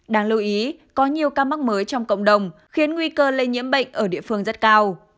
đáng lưu ý có nhiều ca mắc mới trong cộng đồng khiến nguy cơ lây nhiễm bệnh ở địa phương rất cao